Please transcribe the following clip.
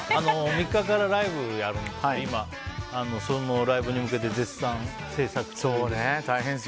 ３日からライブやるんですけど今、そのライブに向けて絶賛制作中です。